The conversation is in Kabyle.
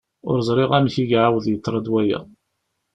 Ur ẓriɣ amek i iεawed yeḍra-d waya.